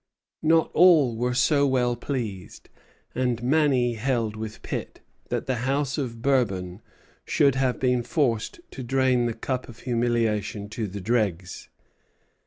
Not all were so well pleased, and many held with Pitt that the House of Bourbon should have been forced to drain the cup of humiliation to the dregs.